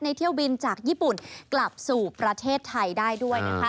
เที่ยวบินจากญี่ปุ่นกลับสู่ประเทศไทยได้ด้วยนะคะ